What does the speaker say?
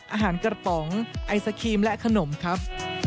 อาหารกระป๋องไอศครีมและขนมครับ